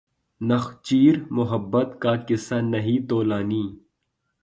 نخچیر محبت کا قصہ نہیں طولانی